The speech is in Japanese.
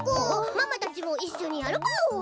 ママたちもいっしょにやるパオ。